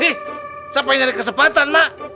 eh siapa yang nyari kesempatan mak